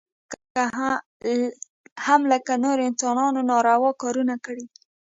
ځینې دینداران هم لکه نور انسانان ناروا کارونه کړي دي.